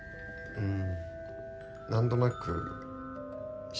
うん。